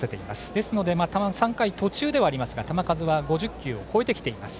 ですので３回途中ではありますが球数は５０球を超えてきています。